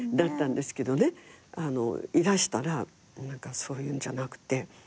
いらしたらそういうんじゃなくて。